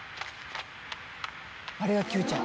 「あれがＱちゃん？」